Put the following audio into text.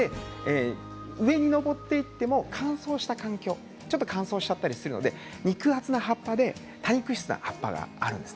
上にのぼっていっても乾燥した環境ちょっと乾燥しちゃったりするので肉厚な葉っぱで多肉質の葉っぱなんです。